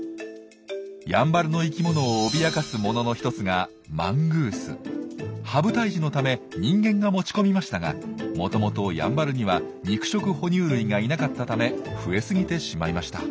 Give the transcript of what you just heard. やんばるの生きものを脅かすものの一つがハブ退治のため人間が持ち込みましたがもともとやんばるには肉食哺乳類がいなかったため増えすぎてしまいました。